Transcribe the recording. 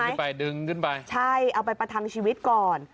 ขึ้นไปดึงขึ้นไปใช่เอาไปประทังชีวิตก่อน